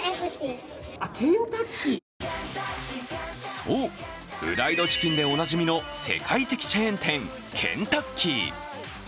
そう、フライドチキンでおなじみの世界的チェーン店、ケンタッキー。